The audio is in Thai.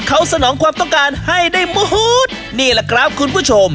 เขาสนองความต้องการให้ได้หมดนี่แหละครับคุณผู้ชม